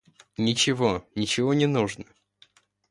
Ничего, ничего не нужно.